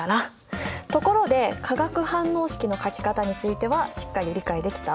ところで化学反応式の書き方についてはしっかり理解できた？